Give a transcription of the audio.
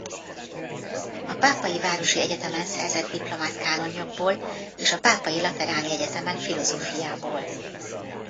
A Pápai Városi Egyetemen szerzett diplomát kánonjogból és a Pápai Lateráni Egyetemen filozófiából.